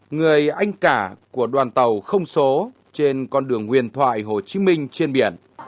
người anh cả của đoàn tàu không số trên con đường huyền thoại hồ chí minh trên biển